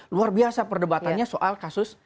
luar biasa perdebatannya soal kasus